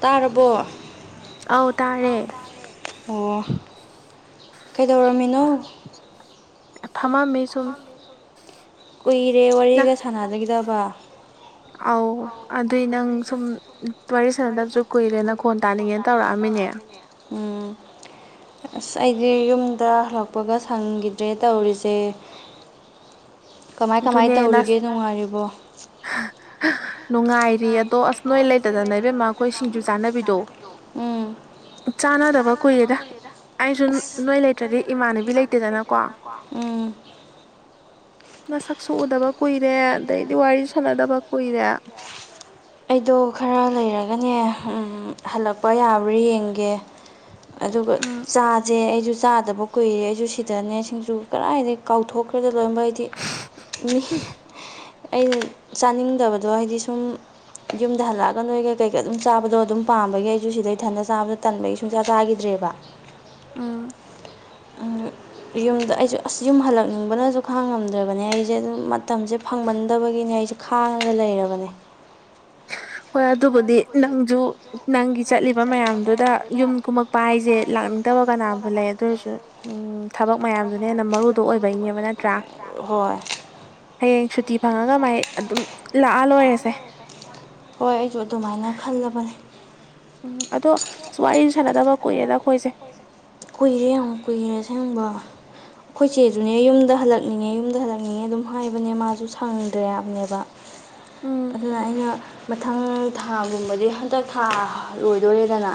ꯇꯥꯔꯕꯣ ꯑꯣ ꯀꯩꯗꯧꯔꯝꯃꯤꯅꯣ ꯐꯥꯃꯃꯦ ꯀꯨꯏꯔꯦ ꯋꯥꯔꯤꯒ ꯁꯥꯟꯅꯗꯒꯤꯗꯕ ꯑꯧ ꯑꯗꯨꯏ ꯅꯪ ꯁꯨꯝ ꯋꯥꯔꯤ ꯁꯥꯟꯅꯗꯕꯁꯨ ꯀꯨꯏꯔꯦ ꯅꯈꯣꯟ ꯇꯥꯅꯤꯡꯉꯦꯅ ꯇꯧꯔꯛꯑꯝꯃꯤꯅꯦ ꯎꯝ ꯑꯁ ꯑꯩꯗꯤ ꯌꯨꯝꯗ ꯍꯜꯂꯛꯄꯒ ꯁꯪꯒꯤꯗ꯭ꯔꯦ ꯇꯧꯔꯤꯁꯦ [inaudible] ꯀꯃꯥꯏ ꯀꯃꯥꯏ ꯇꯧꯔꯤꯒꯦ ꯅꯨꯡꯉꯥꯏꯔꯤꯕꯣ [inaudible] ꯅꯨꯡꯉꯥꯏꯔꯤ ꯑꯗꯣ ꯑꯁ ꯅꯣꯏ ꯂꯩꯇꯗꯅ ꯏꯕꯦꯝꯃ ꯑꯈꯣꯏ ꯁꯤꯡꯖꯨ ꯆꯥꯅꯕꯤꯗꯣ ꯆꯥꯟꯅꯗꯕ ꯀꯨꯏꯔꯦꯗ ꯑꯩꯁꯨ ꯅꯣꯏ ꯂꯩꯇ꯭ꯔꯗꯤ ꯏꯃꯥꯟꯅꯕꯤ ꯂꯩꯇꯦꯗꯅꯀꯣ ꯎꯝ ꯅꯁꯛꯁꯨ ꯎꯗꯕ ꯀꯨꯏꯔꯦ ꯑꯗꯩꯗꯤ ꯋꯥꯔꯤ ꯁꯥꯟꯅꯗꯕ ꯀꯨꯏꯔꯦ ꯑꯩꯗꯣ ꯈꯔ ꯂꯩꯔꯒꯅꯦ ꯍꯜꯂꯛꯄ ꯌꯥꯕ꯭ꯔꯥ ꯌꯦꯡꯒꯦ ꯑꯗꯨꯒ ꯆꯥꯖꯦ ꯑꯩꯖꯨ ꯆꯥꯗꯕ ꯀꯨꯏꯔꯦ ꯑꯩꯁꯨ ꯁꯤꯗꯅꯦ ꯁꯤꯡꯖꯨ ꯀꯔꯥꯏꯗꯩꯩ ꯀꯥꯎꯊꯣꯛ ꯈꯣꯏꯗꯨ ꯂꯣꯏꯝꯕꯛ ꯍꯥꯏꯗꯤ ꯃꯤ ꯑꯩꯅ ꯆꯥꯅꯤꯡꯗꯕꯗꯣ ꯍꯥꯏꯗꯤ ꯁꯨꯝ ꯌꯨꯝꯗ ꯍꯜꯂꯛꯑꯒ ꯅꯣꯏꯒ ꯀꯩꯀ ꯑꯗꯨꯝ ꯆꯥꯕꯗꯣ ꯑꯗꯨꯝ ꯄꯥꯝꯕꯒꯤ ꯑꯩꯁꯨ ꯁꯤꯗꯩ ꯊꯟꯗ ꯆꯥꯕꯗꯣ ꯇꯟꯕꯒꯤ ꯁꯨꯡꯆꯥ ꯆꯥꯒꯤꯗ꯭ꯔꯦꯕ ꯎꯝ ꯌꯨꯝꯗ ꯑꯩꯁꯨ ꯑꯁ ꯌꯨꯝ ꯍꯜꯂꯛꯅꯤꯡꯕꯅꯁꯨ ꯈꯥꯡ ꯉꯝꯗ꯭ꯔꯕꯅꯦ ꯑꯩꯖꯦ ꯑꯗꯨꯝ ꯃꯇꯝꯁꯦ ꯐꯪꯃꯟꯗꯕꯒꯤꯅꯦ ꯑꯩꯁꯦ ꯈꯥꯡꯉꯒ ꯂꯩꯔꯕꯅꯦ ꯍꯣꯏ ꯑꯗꯨꯕꯨꯗꯤ ꯅꯪꯖꯨ ꯅꯪꯒꯤ ꯆꯠꯂꯤꯕ ꯃꯌꯥꯝꯗꯨꯗ ꯌꯨꯝ ꯀꯨꯝꯃꯛꯄ ꯍꯥꯏꯖꯦ ꯂꯥꯛꯅꯤꯡꯗꯕ ꯀꯅꯥꯕꯨ ꯂꯩ ꯑꯗꯨꯔꯁꯨ ꯎꯝ ꯊꯕꯛ ꯃꯌꯥꯝꯗꯨꯅ ꯍꯦꯟꯅ ꯃꯔꯨꯗꯣ ꯑꯣꯏꯕꯩꯅꯦꯕ ꯅꯠꯇ꯭ꯔꯥ ꯍꯣꯏ ꯍꯌꯦꯡ ꯁꯨꯇꯤ ꯐꯪꯉꯒ ꯃꯥꯏ ꯑꯗꯨꯝ ꯂꯥꯛꯑ ꯂꯣꯏꯔꯦꯁꯦ ꯍꯣꯏ ꯑꯩꯁꯨ ꯑꯗꯨꯃꯥꯏꯅ ꯈꯜꯂꯕꯅꯦ ꯎꯝ ꯑꯗꯣ ꯋꯥꯔꯤꯁꯨ ꯁꯥꯟꯅꯗꯕ ꯀꯨꯏꯔꯦꯗ ꯑꯈꯣꯏꯁꯦ ꯀꯨꯏꯔꯦ ꯌꯥꯝ ꯀꯨꯏꯔꯦ ꯁꯦꯡꯕ ꯈꯣꯏꯆꯦꯖꯨꯅꯦ ꯌꯨꯝꯗ ꯍꯜꯂꯛꯅꯤꯡꯉꯦ ꯌꯨꯝꯗ ꯍꯜꯂꯛꯅꯤꯡꯉꯦ ꯑꯗꯨꯝ ꯍꯥꯏꯕꯅꯦ ꯃꯥꯁꯨ ꯁꯪꯗ꯭ꯔꯦꯌꯥꯕꯅꯦꯕ ꯑꯗꯨꯅ ꯑꯩꯅ ꯃꯊꯪ ꯊꯥꯒꯨꯝꯕꯗꯤ ꯍꯟꯗꯛ ꯊꯥ ꯂꯣꯏꯗꯣꯔꯦꯗꯅ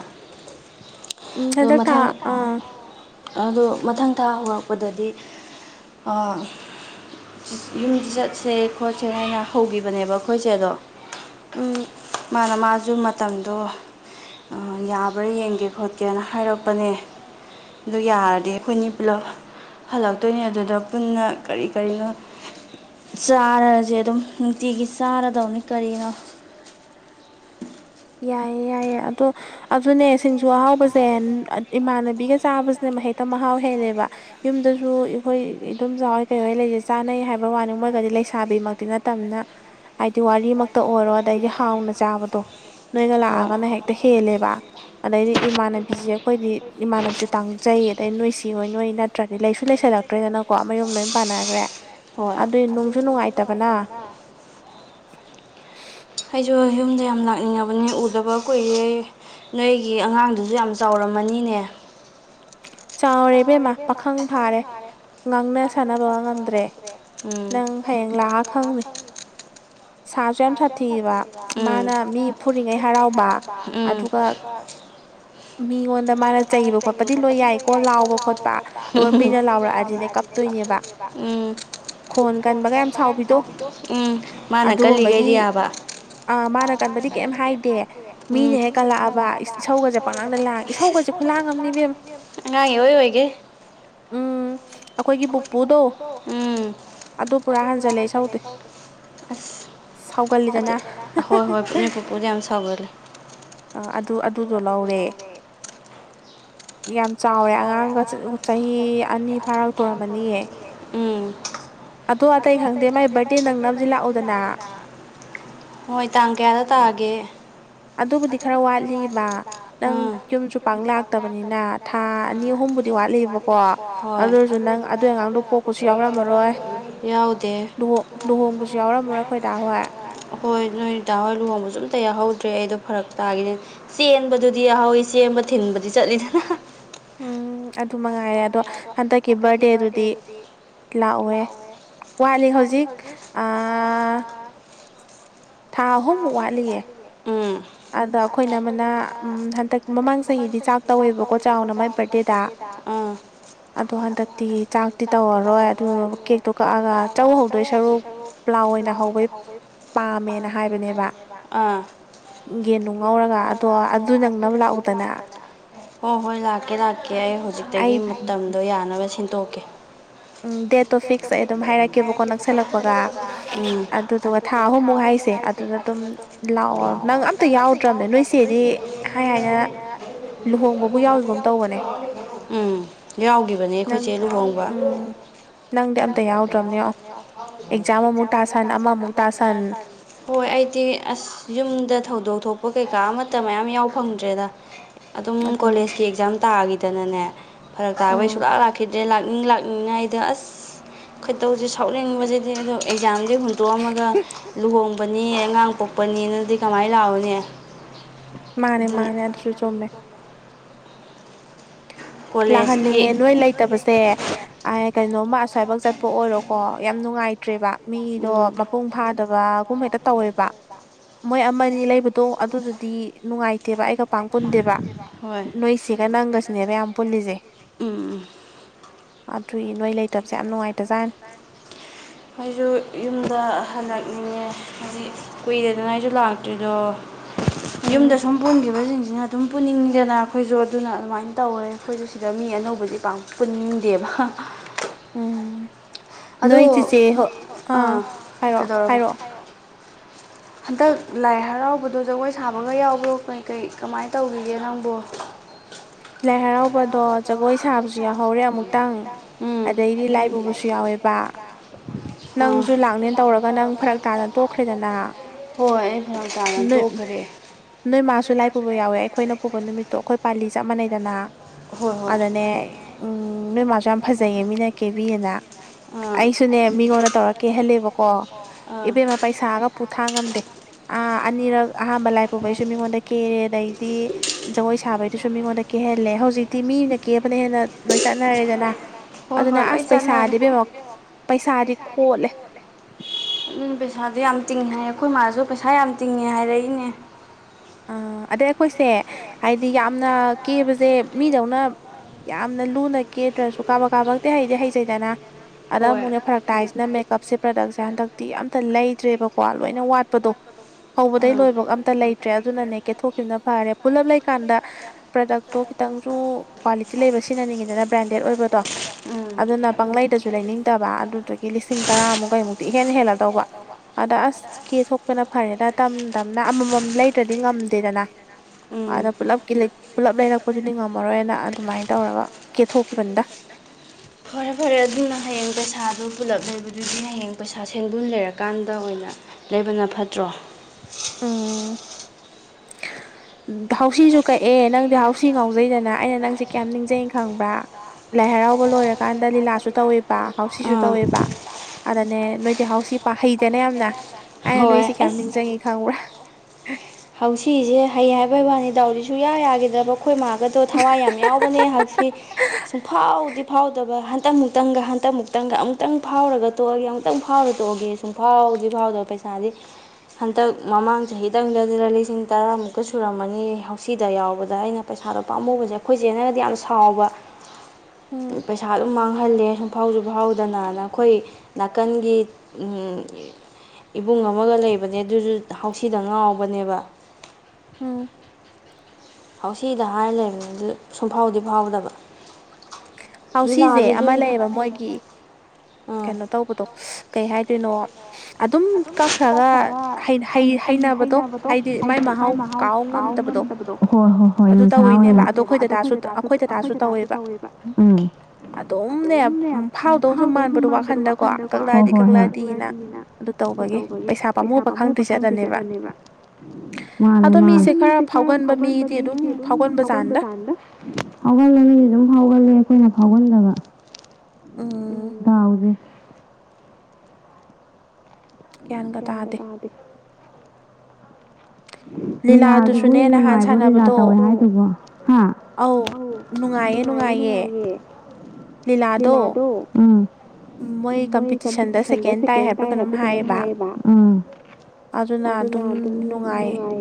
ꯑꯗꯣ ꯃꯊꯪ ꯑꯗꯣ ꯃꯊꯪ ꯊꯥ ꯍꯧꯔꯛꯄꯗꯗꯤ ꯑꯥ ꯌꯨꯝ ꯆꯠꯁꯦ ꯈꯣꯠꯁꯦ ꯍꯥꯏꯅ ꯍꯧꯒꯤꯕꯅꯦꯕ ꯑꯩꯈꯣꯏ ꯆꯦꯗꯣ ꯃꯥꯅ ꯃꯥꯁꯨ ꯃꯇꯝꯗꯣ ꯌꯥꯕ꯭ꯔꯥ ꯌꯦꯡꯒꯦ ꯈꯣꯠꯀꯦꯅ ꯍꯥꯏꯔꯛꯄꯅꯦ ꯑꯗꯨ ꯌꯥꯔꯗꯤ ꯑꯩꯈꯣꯏꯅꯤ ꯄꯨꯂꯞ ꯍꯜꯂꯛꯇꯣꯏꯅꯦ ꯑꯗꯨꯗ ꯄꯨꯟꯅ ꯀꯔꯤ ꯀꯔꯤꯅꯣ ꯆꯥꯔꯖꯦ ꯑꯗꯨꯝ ꯅꯨꯡꯇꯤꯒꯤ ꯆꯥꯔꯗꯧꯅꯦ ꯀꯔꯤꯅꯣ ꯌꯥꯏꯌꯦ ꯌꯥꯏꯌꯦ ꯑꯗꯣ ꯑꯗꯨꯅꯦ ꯁꯤꯡꯖꯨ ꯑꯍꯥꯎꯕꯁꯦ ꯏꯃꯥꯟꯅꯕꯤꯒ ꯆꯥꯕꯁꯤꯅꯦ ꯃꯍꯦꯛꯇ ꯃꯍꯥꯎ ꯍꯦꯜꯂꯦꯕ ꯌꯨꯝꯗꯁꯨ ꯑꯩꯈꯣꯏ ꯏꯟꯗꯣꯝꯆꯥꯍꯣꯏ ꯀꯩꯍꯣꯏ ꯂꯩꯁꯦ ꯆꯥꯅꯩ ꯍꯥꯏꯕꯩ ꯋꯥꯅꯤ ꯃꯣꯏꯒꯗꯤ ꯂꯩꯁꯥꯕꯤꯃꯛꯇꯤ ꯅꯠꯇꯝꯅꯤꯅ ꯍꯥꯏꯗꯤ ꯋꯥꯔꯤꯃꯛꯇ ꯑꯣꯏꯔꯣ ꯑꯗꯩꯗꯤ ꯍꯥꯎꯅ ꯆꯥꯕꯗꯣ ꯅꯣꯏꯒ ꯂꯥꯛꯑꯒꯅ ꯍꯦꯛꯇ ꯍꯦꯜꯂꯦꯕ ꯑꯗꯩꯗꯤ ꯏꯃꯥꯟꯅꯕꯤꯁꯦ ꯑꯩꯈꯣꯏꯗꯤ ꯏꯃꯥꯟꯅꯕꯤꯁꯨ ꯇꯥꯡꯖꯩ ꯑꯗꯩ ꯅꯣꯏꯁꯤ ꯍꯣꯏ ꯅꯣꯏ ꯅꯠꯇ꯭ꯔꯥꯗꯤ ꯂꯩꯁꯨ ꯂꯩꯁꯜꯂꯛꯇ꯭ꯔꯦꯗꯅꯀꯣ ꯃꯌꯨꯝ ꯂꯣꯏ ꯄꯥꯟꯅꯒ꯭ꯔꯦ ꯍꯣꯏ ꯑꯗꯨ ꯅꯨꯡꯖꯨ ꯅꯨꯡꯉꯥꯏꯇꯕꯅ [inaudible] ꯑꯩꯁꯨ ꯌꯨꯝꯗ ꯌꯥꯝ ꯂꯥꯛꯅꯤꯡꯉꯕꯅꯦ ꯎꯗꯕ ꯀꯨꯏꯔꯦ ꯅꯣꯏꯒꯤ ꯑꯉꯥꯡꯗꯨꯁꯨ ꯌꯥꯝ ꯆꯥꯎꯔꯝꯃꯅꯤꯅꯦ ꯆꯥꯎꯔꯦ ꯏꯕꯦꯝꯃꯥ ꯄꯥꯈꯪ ꯐꯥꯔꯦ ꯉꯥꯡꯅ ꯁꯥꯟꯅꯕꯒ ꯉꯝꯗ꯭ꯔꯦ ꯅꯪ ꯍꯌꯦꯡ ꯂꯥꯛꯑꯥ ꯈꯪꯅꯤ ꯁꯥꯁꯨ ꯌꯥꯝ ꯁꯥꯊꯤꯌꯦꯕ ꯎꯝ ꯃꯥꯅ ꯃꯤ ꯐꯨꯔꯤꯉꯩ ꯍꯔꯥꯎꯕ ꯎꯝ ꯑꯗꯨꯒ ꯃꯤꯉꯣꯟꯗ ꯃꯥꯅ ꯆꯩꯕ ꯈꯣꯠꯄꯗꯤ ꯂꯣꯏ ꯌꯥꯏꯀꯣ ꯂꯥ ꯎꯕ ꯈꯣꯠꯄ ꯑꯗꯨꯒ ꯃꯤꯅ ꯂꯥꯎꯔꯛꯑꯗꯤꯅꯦ ꯀꯞꯇꯣꯏꯅꯦꯕ ꯈꯣꯟ ꯀꯟꯕꯒ ꯌꯥꯝ ꯁꯥꯎꯕꯤꯗꯣ ꯑꯗꯨꯒꯨꯝꯕꯒꯤ ꯑꯥ ꯃꯥꯅ ꯀꯟꯕꯗꯤ ꯀꯩꯝ ꯍꯥꯏꯗꯦ ꯃꯤꯅ ꯍꯦꯛ ꯀꯜꯂꯛꯑꯕ ꯏꯁꯧꯒꯖꯦ ꯄꯪꯂꯥꯡꯗ ꯂꯥꯡ ꯏꯁꯧꯒꯁꯦ ꯈꯨꯂꯥꯡ ꯑꯝꯅꯤ ꯏꯕꯦꯝꯃꯥ ꯑꯉꯥꯡ ꯏꯑꯣꯏ ꯑꯣꯏꯒꯩ ꯑꯈꯣꯏꯒꯤ ꯄꯨꯨꯄꯨꯗꯣ ꯎꯝ ꯑꯗꯨ ꯄꯨꯔꯥ ꯍꯟꯖꯜꯂꯦ ꯏꯁꯧꯗꯤ ꯑꯁ ꯑꯗꯨ ꯍꯣꯏ ꯍꯣꯏ ꯅꯣꯏ ꯄꯨꯄꯨꯗꯤ ꯌꯥꯝ ꯁꯥꯎꯒꯜꯂꯦ ꯑꯥ ꯑꯗꯨ ꯑꯗꯨꯗꯣ ꯂꯧꯔꯦ ꯌꯥꯝ ꯆꯥꯎꯔꯦ ꯑꯉꯥꯡꯒ ꯆꯍꯤ ꯑꯅꯤ ꯐꯥꯔꯛꯇꯣꯔꯝꯃꯥꯅꯤꯌꯦ ꯎꯝ ꯑꯗꯣ ꯑꯇꯩ ꯈꯪꯗꯦ ꯃꯥꯏ ꯕꯥꯔꯠꯗꯦ ꯅꯪꯅꯕꯖꯤ ꯂꯥꯛꯎꯗꯅ ꯍꯣꯏ ꯇꯥꯡ ꯀꯌꯥꯗ ꯇꯥꯒꯦ ꯑꯗꯨꯕꯨꯗꯤ ꯈꯔꯥ ꯋꯥꯠꯂꯤꯕ ꯅꯪ ꯌꯨꯝꯁꯨ ꯄꯥꯡ ꯂꯥꯛꯇꯕꯅꯤꯅ ꯊꯥ ꯑꯅꯤ ꯑꯍꯨꯝꯕꯨꯗꯤ ꯋꯥꯠꯂꯤꯕꯀꯣ ꯑꯗꯨ ꯑꯣꯏꯔꯁꯨ ꯅꯪ ꯑꯗꯨꯏ ꯑꯉꯥꯡꯗꯣ ꯄꯣꯛꯄꯁꯨ ꯌꯥꯎꯔꯝꯃꯔꯣꯏ ꯂꯨꯍꯣꯡ ꯂꯨꯍꯣꯡꯕꯁꯨ ꯌꯥꯎꯔꯝꯃꯔꯣ ꯑꯈꯣꯏ ꯗꯥ ꯍꯣꯏ ꯍꯣꯏ ꯅꯣꯏ ꯗꯥ ꯍꯣꯏ ꯂꯨꯍꯣꯡꯕꯖꯨ ꯑꯝꯇ ꯌꯥꯎꯍꯧꯗ꯭ꯔꯦ ꯑꯩꯗꯣ ꯐꯔꯛ ꯇꯥꯒꯤꯅꯦ ꯆꯦꯟꯕꯗꯨꯗꯤ ꯌꯥꯎꯍꯧꯋꯤ ꯆꯦꯟꯕ ꯊꯤꯟꯕꯗꯤ ꯆꯠꯂꯤꯗꯅ ꯎꯝ ꯑꯗꯨ ꯃꯉꯥꯏꯔꯦ ꯑꯗꯣ ꯍꯣꯏ ꯑꯗꯣ ꯍꯟꯗꯛꯀꯤ ꯕꯥꯔꯗꯦꯗꯨꯗꯤ ꯂꯥꯛꯑꯣ ꯋꯥꯠꯂꯤ ꯍꯧꯖꯤꯛ ꯑꯥ ꯊꯥ ꯑꯍꯨꯝꯃꯨꯛ ꯋꯥꯠꯂꯤꯌꯦ ꯎꯝ ꯑꯗꯣ ꯑꯈꯣꯏ ꯏꯅꯝꯃꯅ ꯎꯝ ꯍꯟꯗꯛ ꯃꯃꯥꯡ ꯆꯍꯤꯗꯤ ꯆꯥꯛ ꯇꯧꯋꯦꯕꯀꯣ ꯆꯥꯎꯅ ꯃꯥꯏ ꯕꯔꯥꯠꯗꯦꯗ ꯑꯥ ꯑꯗꯣ ꯍꯟꯗꯛꯇꯤ ꯆꯥꯛꯇꯤ ꯇꯧꯔꯔꯣꯏ ꯑꯗꯨ ꯀꯦꯛꯇꯣ ꯀꯛꯑꯒ ꯆꯧ ꯍꯧꯗꯣꯏ ꯁꯔꯨꯛ ꯄ꯭ꯂꯥꯎ ꯑꯣꯏꯅ ꯍꯧꯕꯩ ꯄꯥꯝꯃꯦꯅ ꯍꯥꯏꯕꯅꯦꯕ, ꯑꯥ ꯌꯦꯟꯒ ꯉꯧꯔꯒ ꯑꯗꯣ ꯑꯗꯨ ꯂꯧ ꯂꯥꯛꯎꯗꯅ ꯍꯣ ꯍꯣꯏ ꯂꯥꯛꯀꯦ ꯂꯥꯛ ꯀꯦ ꯑꯥꯏ ꯍꯨꯖꯤꯛꯇꯒꯤ ꯃꯇꯝꯗꯣ ꯌꯥꯅꯕ ꯁꯦꯟꯇꯣꯛꯀꯦ꯫ ꯗꯦꯠ ꯇꯣ ꯐꯤꯛꯁꯇ ꯑꯩꯗꯨꯝ ꯍꯥꯏꯔꯛꯀꯦꯕꯀꯣ ꯅꯛꯁꯜꯂꯛꯄꯒ ꯎꯝ ꯑꯗꯨꯗꯨꯒ ꯊꯥ ꯑꯍꯨꯝꯃꯨꯛ ꯍꯥꯏꯁ ꯁꯦ ꯑꯗꯨꯗ ꯗꯨꯝ ꯂꯥꯛꯑꯣ ꯅꯪ ꯑꯝꯇ ꯌꯥꯎꯗ꯭ꯔꯕꯅꯦ ꯅꯣꯏ ꯆꯦꯗꯤ ꯍꯥꯏ ꯍꯥꯏꯅ [inaudible] ꯎꯝ ꯌꯥꯎꯒꯤꯕꯅꯦ ꯑꯈꯣꯏꯆꯦ ꯂꯨꯍꯣꯡꯕ꯫ ꯅꯪꯗꯤ ꯑꯝꯇ ꯌꯥꯎꯗꯕꯅꯦ ꯌꯦꯡꯉꯣ ꯑꯦꯛꯖꯥꯝ ꯑꯃꯨꯛ ꯇꯥꯁꯟ ꯑꯃ ꯑꯃꯨꯛ ꯇꯥꯁꯟ ꯍꯣꯏ ꯑꯩꯗꯤ ꯑꯁ ꯌꯨꯝꯗ ꯊꯧꯗꯣꯛ ꯊꯣꯛꯄ ꯀꯩꯀꯥ ꯑꯃꯠꯇ ꯃꯌꯥꯝ ꯌꯥꯎ ꯐꯪꯗ꯭ꯔꯦꯗ꯫ ꯑꯗꯨꯝ ꯀꯣꯂꯦꯖꯀꯤ ꯑꯦꯛꯖꯥꯝ ꯇꯥꯒꯤꯗꯅꯅꯦ ꯐꯔꯛ ꯇꯥꯕꯩ ꯁꯨꯡꯂꯥ ꯂꯥꯛꯈꯤꯗ꯭ꯔꯦ ꯂꯥꯛꯅꯤꯡ ꯂꯥꯛꯅꯤꯡꯉꯥꯏꯗ ꯑꯁ ꯈꯣꯏꯗꯧꯁꯦ ꯁꯥꯎꯅꯤꯡꯕꯖꯤꯗꯤ ꯑꯗꯣ ꯑꯦꯛꯖꯥꯝꯗꯤ ꯍꯨꯟꯇꯣꯛꯑꯝꯃꯒ ꯂꯨꯍꯣꯡꯕꯅꯦ ꯑꯉꯥꯡ ꯄꯣꯛꯄꯅꯦꯅꯗꯤ ꯀꯃꯥꯏ ꯂꯥꯛꯑꯣꯅꯤ ꯃꯥꯅꯦ ꯃꯥꯅꯦ ꯑꯗꯨꯁꯨ ꯆꯨꯝꯃꯦ꯫ ꯂꯥꯛꯍꯟꯅꯤꯡꯉꯦ ꯅꯣꯏ ꯂꯩ ꯇꯕꯁꯦ ꯑꯥꯏ ꯀꯩꯅꯣꯝꯃ ꯑꯁ꯭ꯋꯥꯏꯕꯧ ꯆꯠꯄ ꯑꯣꯏꯔꯣꯀꯣ ꯌꯥꯝ ꯅꯨꯡꯉꯥꯏꯇ꯭ꯔꯦꯕ꯫ ꯃꯤꯗꯣ ꯃ ꯄꯨꯡ ꯐꯥꯗꯕ ꯒꯨꯝ ꯍꯦꯛꯇ ꯇꯧꯋꯦꯕ꯫ ꯃꯣꯏ ꯑꯃ ꯑꯅꯤ ꯂꯩꯕꯗꯣ ꯑꯗꯨꯗꯗꯤ ꯅꯨꯡꯉꯥꯏ ꯇꯦꯕ ꯑꯩꯒ ꯄꯥꯡ ꯄꯨꯟꯗꯦꯕ ꯅꯣꯏꯆꯦꯒ ꯅꯪꯒꯁꯤꯅꯦꯕ ꯌꯥꯝ ꯄꯨꯜꯂꯤꯖꯦ꯫ ꯑꯥꯗꯨꯏ ꯅꯣꯏ ꯂꯩꯇꯕꯁꯦ ꯌꯥꯝ ꯅꯨꯡꯉꯥꯏꯇꯖꯥꯟ ꯑꯩꯖꯨ ꯌꯨꯝꯗ ꯍꯜꯂꯛꯅꯤꯡꯉꯦ ꯍꯥꯏꯗꯤ ꯀꯨꯏꯔꯦꯗꯅ ꯑꯩꯖꯨ ꯂꯥꯛꯇ꯭ꯔꯤꯗꯣ꯫ ꯌꯨꯝꯗ ꯁꯨꯝ ꯄꯨꯟꯒꯤꯕꯁꯤꯡꯁꯤꯅ ꯑꯗꯨꯝ ꯄꯨꯅꯤꯡꯉꯤꯗꯅ ꯈꯣꯏꯖꯨ ꯑꯗꯨꯅ ꯑꯗꯨꯃꯥꯏꯅ ꯇꯧꯔꯦ ꯈꯣꯏꯖꯨ ꯁꯤꯗ ꯃꯤ ꯑꯅꯧꯕꯗꯤ ꯄꯥꯛ ꯄꯨꯅꯤꯡꯗꯦꯕ ꯍ ꯎꯝ ꯅꯣꯏ ꯆꯤꯆꯦ ꯍꯣ ꯑꯥ ꯍꯥꯏꯔꯛꯑꯣ ꯍꯥꯏꯔꯛꯑꯣ ꯍꯟꯗꯛ ꯂꯥꯏ ꯍꯔꯥꯎꯕꯗꯣ ꯖꯒꯣꯏ ꯁꯥꯕꯒ ꯌꯥꯎꯕ꯭ꯔꯣ ꯀꯩ ꯀꯩ ꯀꯃꯥꯏ ꯇꯧꯒꯤꯒꯦ ꯅꯪꯕꯣ? ꯂꯥꯏ ꯍꯔꯥꯎꯕꯗꯣ ꯖꯒꯣꯏ ꯁꯥꯕꯁꯨ ꯌꯥꯎꯍꯧꯔꯦ ꯑꯃꯨꯛꯇꯪ ꯑꯗꯩꯗꯤ ꯂꯥꯏ ꯄꯨꯕꯁꯨ ꯌꯥꯎꯋꯦ ꯕꯥ꯫ ꯅꯪꯁꯨ ꯂꯥꯛꯅꯦ ꯇꯧꯔꯒ ꯅꯪ ꯐꯔꯛ ꯇꯥꯅ ꯇꯣꯛꯈ꯭ꯔꯦꯗꯅ꯫ ꯍꯣꯏ ꯌꯥꯝ ꯇꯥꯅ ꯇꯣꯛꯈ꯭ꯔꯦ꯫ [inaudible] ꯍꯣꯏ ꯍꯣꯏ ꯎꯝ ꯅꯣꯏ ꯃꯥꯁꯨ ꯌꯥꯝ ꯐꯖꯩꯌꯦ ꯃꯤꯅ ꯀꯦꯕꯤꯌꯦꯅ꯫ ꯑꯩꯁꯨꯅꯦ ꯃꯤꯉꯣꯟꯗ ꯇꯧꯔ ꯀꯦꯍꯜꯂꯦꯕꯀꯣ ꯏꯕꯦꯝꯃ ꯄꯩꯁꯥꯒ ꯄꯨꯊꯥ ꯉꯝꯗꯦ ꯑꯥ ꯑꯅꯤꯔꯛ ꯑꯍꯥꯥꯟꯕ ꯂꯥꯏ ꯄꯨꯕꯩꯁꯨ ꯃꯤꯉꯣꯟꯗ ꯀꯦꯔꯦ ꯑꯗꯩꯗꯤ ꯖꯒꯣꯏ ꯁꯥꯕꯩꯗꯨꯁꯨ ꯃꯤꯉꯣꯟꯗ ꯀꯦꯍꯜꯂꯦ꯫ ꯍꯧꯖꯤꯛꯇꯤ ꯃꯤꯅ ꯀꯦꯕꯅ ꯍꯦꯟꯅ ꯂꯣꯏ ꯆꯠꯅꯔꯦꯗꯅ꯫ ꯑꯗꯨꯅ ꯑꯁ ꯄꯩꯁꯥꯗꯤ ꯕꯦꯝꯃꯣ ꯄꯩꯁꯥꯗꯤ ꯀꯣꯠꯂꯦ꯫ ꯎꯝ ꯄꯤꯁꯥꯗꯣ ꯌꯥꯝ ꯇꯤꯡꯉꯦ ꯍꯥꯏ ꯈꯣꯏ ꯃꯥꯁꯨ ꯄꯩꯁꯥ ꯌꯥꯝ ꯇꯤꯡꯉꯦ ꯍꯥꯏꯔꯛꯏꯅꯦ꯫ ꯑꯥ ꯑꯗꯩ ꯑꯈꯣꯏꯁꯦ ꯍꯥꯏꯗꯤ ꯌꯥꯝꯅ ꯀꯦꯕꯖꯦ ꯃꯤꯗꯧꯅ ꯌꯥꯝꯅ ꯂꯨꯅ ꯀꯦꯗ꯭ꯔꯁꯨ ꯀꯥꯕꯛ ꯀꯥꯕꯛꯇꯤ ꯍꯩꯗꯤ ꯍꯩꯖꯩꯗꯅ, ꯑꯗ ꯑꯃꯨꯛꯅꯦ ꯐꯔꯛ ꯇꯥꯏꯁꯤꯅ ꯃꯦꯀꯞꯁꯦ ꯄ꯭ꯔꯗꯛꯁꯦ ꯍꯟꯗꯛꯇꯤ ꯑꯝꯇ ꯂꯩꯗ꯭ꯔꯦꯕꯀꯣ ꯂꯣꯏꯅ ꯋꯥꯠꯄꯗꯣ ꯍꯧꯕꯗꯩ ꯂꯣꯏꯕꯨꯛ ꯑꯝꯇ ꯂꯩꯇ꯭ꯔꯦ ꯑꯗꯨꯅꯅꯦ ꯀꯦꯊꯣꯛ ꯈꯤꯕꯅ ꯐꯔꯦ ꯄꯨꯂꯞ ꯂꯩꯀꯥꯟꯗ ꯄ꯭ꯔꯗꯛꯇꯣ ꯈꯤꯇꯪꯁꯨ ꯀ꯭ꯋꯥꯂꯤꯇꯤ ꯂꯩꯕ ꯁꯤꯖꯤꯟꯅꯅꯤꯡꯉꯤꯗꯅ꯫ ꯕ꯭ꯔꯥꯟꯗꯦꯗ ꯑꯣꯏꯕꯗꯣ ꯑꯗꯨꯅ ꯄꯪꯂꯩꯗꯁꯨ ꯂꯩꯅꯤꯡꯗꯕ ꯑꯗꯨꯗꯨꯒꯤ ꯂꯤꯁꯤꯡ ꯇꯔꯥꯃꯨꯛ ꯀꯩꯃꯨꯛꯇꯤ ꯏꯍꯦꯟ ꯍꯦꯜꯂꯗꯧꯕ꯫ ꯑꯗ ꯑꯁ ꯀꯦꯊꯣꯛꯄꯅ ꯐꯔꯦꯗ ꯇꯝ ꯇꯝꯅ ꯑꯃꯝ ꯃꯝ ꯂꯩꯗ꯭ꯔꯗꯤ ꯉꯝꯗꯦꯗꯅ ꯑꯗ ꯄꯨꯂꯞ ꯀꯤ ꯂꯩ ꯄꯨꯜꯂꯞ ꯂꯩꯔꯛꯄꯗꯨꯗꯤ ꯉꯝꯃꯔꯣꯏꯅ ꯑꯗꯨꯃꯥꯏꯅ ꯇꯧꯔꯒ ꯀꯦꯊꯣꯛꯈꯤꯕꯅꯤꯗ꯫ ꯐꯔꯦ ꯐꯔꯦ ꯑꯗꯨꯅ ꯍꯌꯦꯡ ꯄꯩꯁꯥꯗꯨ ꯄꯨꯜꯂꯞ ꯂꯩꯕꯗꯨꯗꯤ ꯍꯌꯦꯡ ꯄꯩꯁꯥ ꯁꯦꯡꯕꯨꯟ ꯂꯩꯔꯀꯥꯟꯗ ꯑꯣꯏꯅ ꯂꯩꯕꯅ ꯐꯠꯇ꯭ꯔꯣ ꯎꯝ ꯎꯝ ꯍꯥꯎꯁꯤꯁꯨ ꯀꯛꯑꯦ ꯅꯪꯗꯤ ꯍꯥꯎꯁꯤ ꯉꯥꯎꯖꯩꯗꯅ ꯑꯩꯅ ꯅꯪꯁꯦ ꯀꯌꯥꯝ ꯅꯤꯡꯖꯪꯉꯤ ꯈꯪꯕ꯭ꯔꯥ ꯂꯥꯏ ꯍꯔꯥꯎꯕ ꯂꯣꯏꯔꯀꯥꯟꯗ ꯂꯤꯂꯥꯁꯨ ꯇꯧꯋꯦ ꯄ ꯍꯥꯎꯁꯤꯁꯨ ꯇꯧꯋꯦꯕ ꯑꯗꯅꯦ ꯅꯣꯏꯗꯤ ꯍꯥꯎꯁꯤ ꯄꯥ ꯍꯩꯗꯅ ꯌꯥꯝꯅ ꯑꯩꯅ ꯅꯣꯏꯁꯤ ꯀꯌꯥꯝ ꯅꯤꯡꯖꯪꯉꯤ ꯈꯪꯕ꯭ꯔꯥ ꯍꯥꯎꯁꯤꯁꯦ ꯍꯩ ꯍꯥꯏꯕꯩ ꯋꯥꯅꯤ ꯗꯥꯎꯗꯤ ꯁꯨꯡꯌꯥ ꯌꯥꯈꯤꯗ꯭ꯔꯕ ꯑꯩꯈꯣꯏ ꯃꯥꯒꯗꯣ ꯊꯋꯥꯏ ꯌꯥꯝ ꯌꯥꯎꯕꯅꯦ ꯍꯥꯎꯁꯤ ꯁꯨꯡꯐꯥꯎꯗꯤ ꯐꯥꯎꯗꯕ ꯍꯟꯇꯛ ꯃꯨꯛꯇꯪꯒ ꯍꯟꯇꯛ ꯃꯨꯛꯇꯪꯒ ꯑꯃꯨꯛꯇꯪ ꯐꯥꯎꯔꯒ ꯇꯣꯛꯑꯒꯦ ꯑꯃꯨꯛꯇꯪ ꯐꯥꯎꯔ ꯇꯣꯛꯑꯒꯦ ꯁꯨꯡꯐꯥꯎꯗꯤ ꯐꯥꯎꯗ ꯄꯩꯁꯥꯗꯤ ꯍꯟꯇꯛ ꯃꯃꯥꯡ ꯆꯍꯤꯗꯪꯗ ꯑꯗꯨꯗ ꯂꯤꯁꯤꯡ ꯇꯔꯥꯃꯨꯛꯀ ꯁꯨꯔꯝꯃꯅꯤ ꯍꯥꯎꯁꯤꯗ ꯌꯥꯎꯕꯗ ꯑꯩꯅ ꯄꯩꯁꯥꯗꯣ ꯄꯥꯝꯃꯨꯕꯁꯦ ꯑꯩꯈꯣꯏ ꯆꯦꯅꯒꯗꯤ ꯌꯥꯝ ꯁꯥꯎꯕ [inaudible] ꯄꯩꯁꯥ ꯑꯗꯨꯝ ꯃꯥꯡꯍꯜꯂꯦ ꯁꯨꯡꯐꯥꯎꯁꯨ ꯐꯥꯎꯗꯅꯥꯅ ꯑꯩꯈꯣꯏ ꯅꯥꯀꯟꯒꯤ ꯎꯝ ꯏꯕꯨꯡ ꯑꯃꯒ ꯂꯩꯕꯅꯦ ꯑꯗꯨꯁꯨ ꯍꯥꯎꯁꯤꯗ ꯉꯥꯎ ꯕꯅꯦꯕ ꯎꯝ ꯍꯥꯎꯁꯤꯗ ꯍꯥꯏꯔ ꯂꯩꯕꯅꯤ ꯑꯗꯨ ꯁꯨꯡꯐꯥꯎꯗꯤ ꯐꯥꯎꯗꯕ ꯍꯥꯎꯁꯤꯁꯦ ꯑꯃ ꯂꯩꯌꯦꯕ ꯃꯣꯏꯒꯤ ꯀꯩꯅꯣ ꯇꯧꯕꯗꯣ ꯀꯩ ꯍꯥꯏꯗꯣꯏꯅꯣ ꯑꯗꯨꯝ ꯀꯛꯈ꯭ꯔꯒ ꯍꯩ ꯍꯩ ꯍꯩꯅꯕꯗꯣ ꯍꯥꯏꯗꯤ ꯃꯥꯏ ꯃꯍꯥꯎ ꯀꯥꯎ ꯉꯝ ꯗꯕꯗꯣ ꯍꯣꯏ ꯍꯣꯏ ꯍꯣꯏ ꯅꯤꯁꯥ ꯑꯣꯏꯅ ꯇꯧꯔꯤꯅꯦꯕ ꯑꯗꯣ ꯑꯈꯣꯏꯗꯗꯥꯁꯨ ꯑꯩꯈꯣꯏ ꯗꯗꯥꯁꯨ ꯇꯧꯋꯦꯕ ꯎꯝ ꯑꯗꯨꯝꯅꯦ ꯎꯝ ꯐꯥꯎꯗꯧ ꯁꯨꯝ ꯃꯥꯟꯕꯗꯣ ꯋꯥꯈꯟꯗꯀꯣ ꯍꯣꯏ ꯍꯣꯏ ꯍꯣꯏ ꯊꯣꯛꯂꯛꯑꯗꯤꯅ ꯑꯗꯨ ꯇꯧꯕꯒꯤ ꯄꯩꯁꯥ ꯄꯃꯨꯕ ꯈꯪꯗ꯭ꯔꯤꯁꯦ ꯑꯗꯅꯦꯕ ꯃꯥꯅꯦ ꯃꯥꯅꯦ ꯑꯗꯣ ꯃꯤꯁꯦ ꯈꯔ ꯐꯥꯎꯒꯟꯕ ꯃꯤꯗꯤ ꯑꯗꯨꯝ ꯐꯥꯎꯒꯟꯕ ꯖꯥꯅꯤꯗ ꯐꯥꯎꯒꯜꯂꯗꯤ ꯑꯗꯨꯝ ꯐꯥꯎꯒꯜꯂꯦ ꯑꯩꯈꯣꯏꯅ ꯐꯥꯎꯒꯟꯗꯕ ꯑꯥ ꯗꯥꯎꯖꯦ ꯒ꯭ꯌꯥꯟꯒ ꯇꯥꯗꯦ ꯂꯤꯂꯥꯗꯨꯁꯨꯅꯦ ꯅꯍꯥꯟ ꯁꯥꯟꯅꯕꯗꯣ ꯑꯧ ꯅꯨꯡꯉꯥꯏꯌꯦ ꯅꯨꯡꯉꯥꯏꯌꯦ ꯂꯤꯂꯥꯗꯣ ꯑꯥ ꯃꯣꯏ ꯀꯝꯄꯤꯇꯤꯁꯟꯗ ꯁꯦꯀꯦꯟ ꯇꯥꯏ ꯍꯥꯏꯕ꯭ꯔꯥ ꯀꯩꯅꯣꯝ ꯍꯥꯏꯌꯦꯕ ꯑꯗꯨꯅ ꯑꯗꯨꯝ ꯅꯨꯡꯉꯥꯏ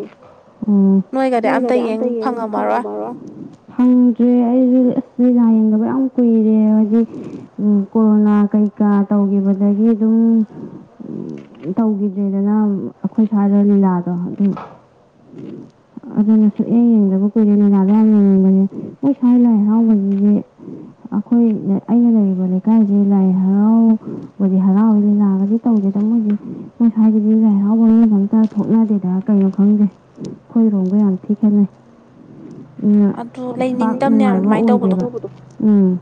ꯎꯝ ꯅꯣꯏꯒꯗꯤ ꯑꯝꯇ ꯌꯦꯡ ꯐꯪꯉꯝꯃꯔꯣꯏ [inaudible] ꯐꯪꯗ꯭ꯔꯦ ꯑꯩꯖꯨ ꯑꯁ ꯂꯤꯂꯥ ꯌꯦꯡꯗꯕ ꯌꯥꯝ ꯀꯨꯏꯔꯦ [unintelligible] ꯎꯝ ꯀꯣꯔꯣꯅꯥ ꯀꯩꯀꯥ ꯇꯧꯈꯤꯕꯗꯒꯤ ꯑꯗꯨꯝ ꯇꯧꯈꯤꯗ꯭ꯔꯦꯗꯅ ꯑꯩꯈꯣꯏ ꯁ꯭ꯋꯥꯏꯗ ꯂꯤꯂꯥꯗꯣ ꯑꯗꯨꯝ [inaudible] ꯑꯗꯨꯅ ꯁꯨꯛꯌꯦꯡ ꯌꯦꯡꯗꯕ ꯀꯨꯏꯔꯦ ꯂꯤꯂꯥꯗꯣ ꯌꯥꯝ ꯌꯦꯡꯅꯤꯡꯕꯅꯦ ꯃꯣꯏ ꯁ꯭ꯋꯥꯏ ꯂꯥꯏ ꯍꯔꯥꯎꯕꯒꯤꯁꯦ ꯑꯈꯣꯏ ꯅ ꯑꯩꯅ ꯂꯩꯔꯤꯕ ꯂꯩꯀꯥꯏꯖꯦ ꯂꯥꯏ ꯍꯔꯥꯎ ꯕꯗꯤ ꯍꯔꯥꯎꯋꯤ ꯂꯤꯂꯥꯒꯗꯤ ꯇꯧꯗꯦꯗ ꯃꯣꯏꯗꯤ ꯃꯣꯏ ꯁ꯭ꯋꯥꯏꯖꯤꯗꯤ ꯂꯥꯏ ꯍꯔꯥꯎꯕ ꯃꯤꯕꯨ ꯑꯝꯇ ꯊꯣꯛꯅꯗꯦꯗ ꯀꯩꯅꯣ ꯈꯪꯗꯦ ꯑꯈꯣꯏꯔꯣꯝꯒ ꯌꯥꯝ ꯊꯤ ꯈꯦꯠꯅꯩ [inaudible] ꯎꯝ ꯄꯥꯛ ꯅꯨꯡꯉꯥꯏꯕ ꯑꯣꯏꯗꯦꯕ ꯎꯝ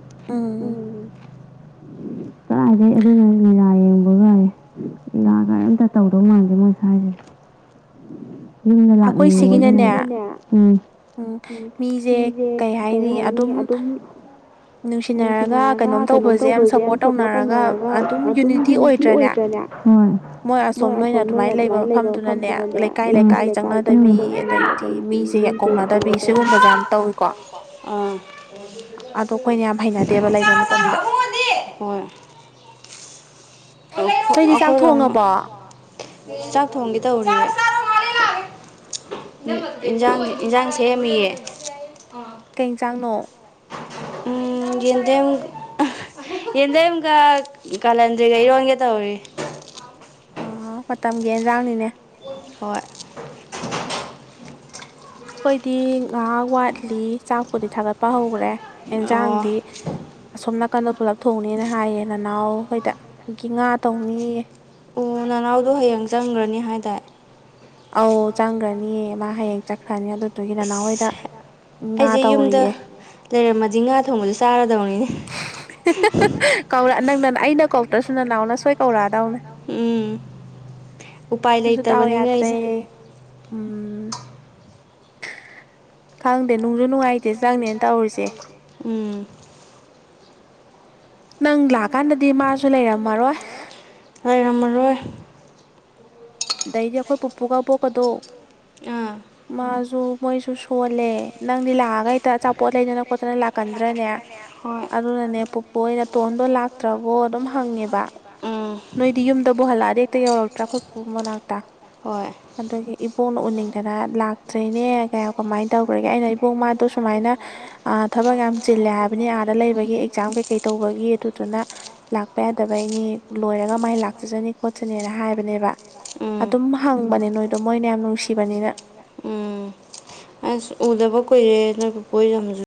ꯎꯝ ꯀꯗꯥꯏꯗꯩ ꯑꯗꯨꯅ ꯂꯤꯦꯅꯥꯥ ꯌꯦꯡꯕꯒꯌꯦ [unintelligible] ꯑꯝꯇ ꯇꯧꯗꯧ ꯃꯥꯟꯗꯦ ꯃꯣꯏ ꯁ꯭ꯋꯥꯏꯁꯦ ꯌꯨꯝꯗ ꯂꯥꯛꯅꯤꯡꯉꯦ ꯑꯗꯨꯅ ꯎꯝ ꯃꯤꯁꯦ ꯀꯩ ꯍꯥꯏꯅꯤ ꯑꯗꯨꯝ ꯅꯨꯡꯁꯤꯅꯔꯒ ꯀꯩꯅꯣꯝ ꯇꯧꯕꯁꯦ ꯌꯥꯝ ꯁꯞꯄꯣꯔꯠ ꯇꯧꯅꯔꯒ ꯑꯗꯨꯝ ꯌꯨꯅꯤꯇꯤ ꯑꯣꯏꯗ꯭ꯔꯅꯦ ꯍꯣꯏ ꯃꯣꯏ ꯑꯁꯣꯝ ꯅꯣꯏꯅ ꯑꯗꯨꯃꯥꯏꯅ ꯂꯩꯕ ꯃꯐꯝꯗꯨꯅꯅꯦ ꯂꯩꯀꯥꯏ ꯂꯩꯀꯥꯏ ꯀ [inaudible] ꯑꯣ [inaudible] ꯑꯗꯣ ꯑꯩꯈꯣꯏꯅ ꯌꯥꯝ ꯍꯩꯅꯗꯦꯕ ꯂꯩꯕ ꯃꯇꯝꯗ ꯍꯣꯏ ꯅꯗꯤ ꯆꯥꯛ ꯊꯣꯡꯉꯕꯣ ꯆꯥꯛ ꯊꯣꯡꯒꯦ ꯇꯧꯔꯤꯌꯦ ꯏꯟꯖꯥꯡ ꯏꯟꯖꯥꯡ ꯁꯦꯝꯃꯤꯌꯦ ꯀꯩ ꯏꯟꯁꯥꯡꯅꯣ ꯌꯦꯟꯗꯦꯝ ꯌꯦꯟꯗꯦꯝꯒ ꯀꯥꯂꯟꯗ꯭ꯔꯤꯒ ꯏꯔꯣꯟꯒꯦ ꯇꯧꯔꯤ ꯑ ꯃꯇꯝꯒꯤ ꯏꯟꯖꯥꯡꯅꯤꯅꯦ ꯍꯣꯏ ꯑꯩꯈꯣꯏꯗꯤ ꯉꯥꯏꯍꯥꯛ ꯋꯥꯠꯂꯤ ꯆꯥꯛꯄꯨꯗꯤ ꯊꯥꯒꯠꯄ ꯍꯧꯈ꯭ꯔꯦ ꯑꯦꯟꯖꯥꯡꯗꯤ ꯑꯁꯣꯝ ꯅꯥꯀꯟꯗ ꯄꯨꯜꯂꯞ ꯊꯣꯡꯅꯦꯅ ꯍꯥꯏꯌꯦ ꯅꯅꯥꯎꯈꯣꯏꯗ ꯒꯤ ꯉꯥ ꯇꯧꯅꯤꯌꯦ ꯑꯣ ꯅꯅꯥꯎꯗꯣ ꯍꯌꯦꯡ ꯆꯪꯈ꯭ꯔꯅꯤ ꯍꯥꯏꯗꯥꯏ ꯑꯧ ꯆꯪꯈ꯭ꯔꯅꯤꯌꯦ ꯃꯥ ꯍꯌꯦꯡ ꯆꯠꯈ꯭ꯔꯅꯤ ꯑꯗꯨꯗꯨꯒꯤ ꯅꯅꯥꯎꯍꯣꯏꯗ ꯑꯩꯁꯦ ꯌꯨꯝꯗ ꯂꯩꯔꯝꯃꯗꯤ ꯉꯥ ꯊꯣꯡꯕꯁꯦ ꯆꯥꯔꯗꯧꯅꯤꯅꯦ ꯀꯧꯔꯛ ꯅꯪ ꯅ ꯑꯩꯅ ꯀꯧꯔꯛꯇꯁꯨ ꯅꯅꯥꯎꯅ ꯁꯣꯏ ꯀꯧꯔꯛꯑꯗꯧꯅꯦ ꯎꯝ ꯎꯄꯥꯏ ꯂꯩꯇꯕꯅꯤꯅꯦ ꯑꯩꯁꯦ ꯑꯣ ꯈꯪꯗꯦ ꯅꯨꯡꯁꯨ ꯅꯨꯡꯉꯥꯏꯇꯦ ꯆꯪꯅꯦꯅ ꯇꯧꯔꯤꯁꯦ ꯎꯝ ꯅꯪ ꯂꯥꯛꯀꯥꯟꯗꯗꯤ ꯃꯥꯁꯨ ꯂꯩꯔꯝꯃꯔꯣꯏ ꯂꯩꯔꯝꯃꯔꯣꯏ ꯑꯗꯩꯗꯤ ꯑꯩꯈꯣꯏ ꯄꯨꯄꯨꯒ ꯑꯄꯣꯛꯀꯗꯣ ꯃꯥꯁꯨ ꯃꯣꯏꯁꯨ ꯁꯣꯂꯦ ꯅꯪꯗꯤ ꯂꯛꯑꯒ ꯍꯦꯛꯇ ꯑꯆꯥꯄꯣꯠ ꯂꯩꯗꯅ ꯈꯣꯠꯇꯅ ꯂꯥꯛꯀꯟꯗ꯭ꯔꯅꯦ ꯑꯗꯨꯅꯅꯦ ꯄꯨꯄꯨꯍꯣꯏꯅ ꯇꯣꯟꯗꯣ ꯂꯥꯛ ꯇ꯭ꯔꯕꯣ ꯑꯗꯨꯝ ꯍꯪꯉꯦꯕ ꯎꯝ ꯅꯣꯏꯗꯤ ꯌꯨꯝꯗꯕꯨ ꯍꯜꯂꯛꯑꯗꯤ ꯍꯦꯛꯇ ꯌꯧꯔꯛꯇ꯭ꯔꯥꯥꯥ ꯈꯣꯏ ꯄꯨꯄꯨ ꯃꯅꯥꯛꯇ ꯑꯗꯨꯒꯤ ꯏꯕꯣꯛꯅ ꯎꯅꯤꯡꯗꯅ ꯂꯥꯛꯇ꯭ꯔꯦꯅꯦ ꯀꯥꯏꯅ ꯀꯃꯥꯏꯅ ꯇꯧꯈ꯭ꯔꯒꯦ ꯑꯩꯅ ꯏꯕꯣꯛ ꯃꯥꯗꯣ ꯁꯨꯃꯥꯏꯅ ꯊꯕꯛ ꯌꯥꯝ ꯆꯤꯜꯂꯦ ꯍꯥꯏꯕꯅꯤ ꯑꯥꯗ ꯂꯩꯕꯒꯤ ꯑꯦꯛꯖꯥꯝ ꯀꯩ ꯀꯩ ꯇꯧꯕꯒꯤ ꯑꯗꯨ ꯑꯗꯨꯅ ꯂꯥꯛꯄ ꯌꯥꯗꯕꯩꯅꯤ ꯂꯣꯏꯔꯒ ꯃꯥꯏ ꯂꯥꯛꯆꯁꯅꯤ ꯈꯣꯠꯆꯅꯤꯅ ꯍꯥꯏꯕꯅꯦꯕ ꯑꯗꯨꯝ ꯍꯪꯕꯅꯦ ꯅꯣꯏꯗꯣ ꯃꯣꯏꯅ ꯌꯥꯝ ꯅꯨꯡꯁꯤꯕꯅꯤꯅ ꯎꯝ ꯑꯁ ꯎꯗꯕ ꯀꯨꯏꯔꯦ ꯅꯣꯏ ꯄꯨꯄꯨꯍꯣꯏ ꯁꯨ